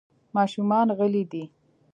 ماشومان غلي دي .